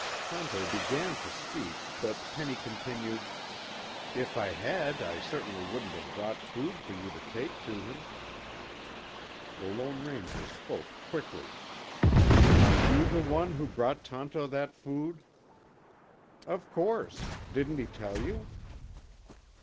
Tonto began to speak, but Penny continued. "If I had, I certainly wouldn't have brought food for you to take to him." The Lone Ranger spoke quickly, "Are you the one who brought Tonto that food?" "Of course. Didn't he tell you?"